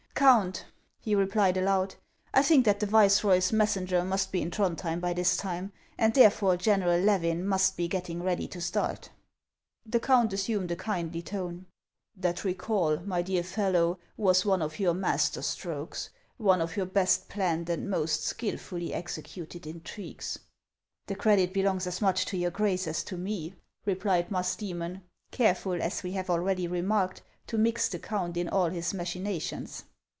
Count," he replied aloud, " I think that the viceroy's mes senger must be in Throndhjem by this time, and therefore General Levin must be getting ready to start." The count assumed a kindly tone. " That recall, my dear fellow, was one of your master strokes,— one of your best planned and most skilfully executed intrigues." " The credit belongs as much to your Grace as to me," replied Musdcemon, careful, as we have already remarked, to mix the count in all his machinations.